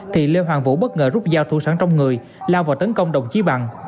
thì lê hoàng vũ bất ngờ rút dao thủ sáng trong người lao vào tấn công đồng chí bằng